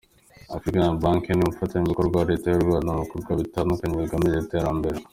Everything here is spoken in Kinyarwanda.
Afrexim Bank ni umufatanyabikorwa wa Leta y’u Rwanda mu bikorwa bitandukanye bigamije iterambere.